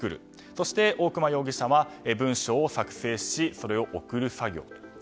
そして大熊容疑者は文書を作成して、それを送る作業。